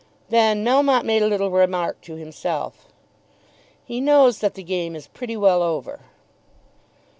Then Melmotte made a little remark to himself. "He knows that the game is pretty well over."